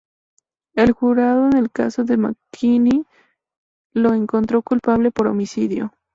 El jurado en el caso de McKinney lo encontró culpable por homicidio.